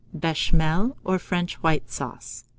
BECHAMEL, or FRENCH WHITE SAUCE.